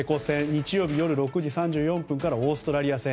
日曜日、夜６時３４分からオーストラリア戦。